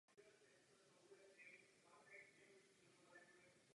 Spodní díl podstavce je ukončen profilovanou římsou.